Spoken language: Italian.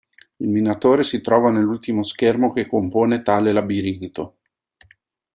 Il minatore si trova nell'ultimo schermo che compone tale labirinto.